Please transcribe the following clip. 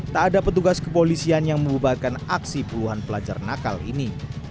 tak ada petugas kepolisian yang membubarkan aksi puluhan pelajar nakal ini